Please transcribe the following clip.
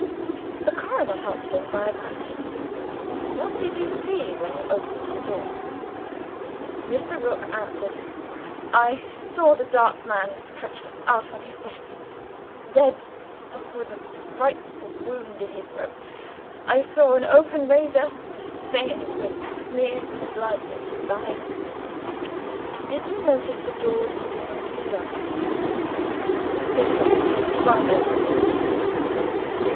The coroner helped him by a question: "What did you see when you opened the door?" Mr. Rook answered: "I saw the dark man stretched out on his bed dead, with a frightful wound in his throat. I saw an open razor, stained with smears of blood, at his side." "Did you notice the door, leading into the yard?" "It was wide open, sir.